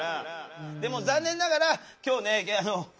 でも残念ながら今日ねゲイ私ら。